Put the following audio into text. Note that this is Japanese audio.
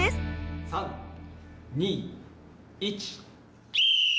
３２１。